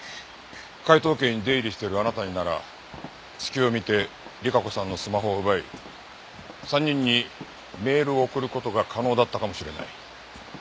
海東家に出入りしているあなたになら隙を見て莉華子さんのスマホを奪い３人にメールを送る事が可能だったかもしれない。